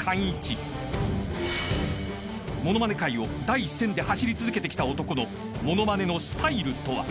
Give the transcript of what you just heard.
［ものまね界を第一線で走り続けてきた男のものまねのスタイルとは？］